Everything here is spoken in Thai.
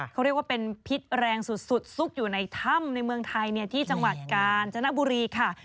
เขาเรียกว่าเป็นพิษแรงสุดซุกอยู่ในถ้ำในเมืองไทยที่จังหวัดกาญจนบุรีค่ะ